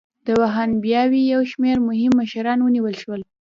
د وهابیانو یو شمېر مهم مشران ونیول شول.